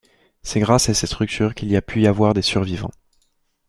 C'est grâce à ces structures qu'il a pu y avoir des survivants.